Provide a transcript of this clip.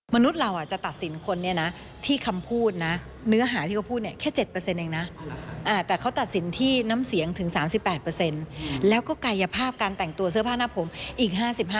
มนุษย์เราจะตัดสินคนเนี่ยนะที่คำพูดนะเนื้อหาที่เขาพูดเนี่ยแค่๗เองนะแต่เขาตัดสินที่น้ำเสียงถึง๓๘แล้วก็กายภาพการแต่งตัวเสื้อผ้าหน้าผมอีก๕๕